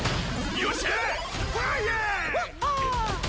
よっしゃー！